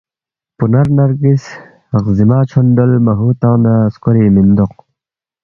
پُنر نرگس غزیما چھونڈول مہوتنگ نہ سکوری میندوق